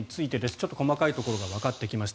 ちょっと細かいところがわかってきました。